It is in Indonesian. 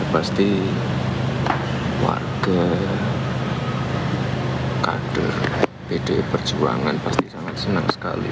pasti warga kader pdi perjuangan pasti sangat senang sekali